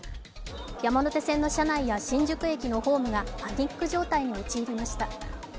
山手線の車内や新宿駅のホームがパニック状態に陥りました。